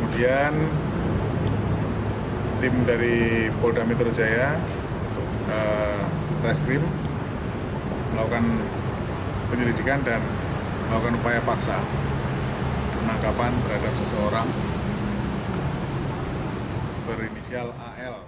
kemudian tim dari polda metro jaya baris kim melakukan penyelidikan dan melakukan upaya paksa penangkapan berhadap seseorang berinisial al